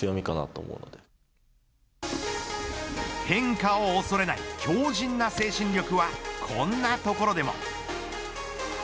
変化を恐れない強じんな精神力はこんなところでも。